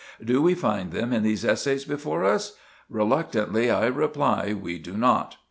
Do we find them in these essays before us? Reluctantly I reply, we do not.